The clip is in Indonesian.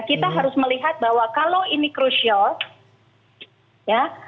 kita harus melihat bahwa kalau ini crucial ya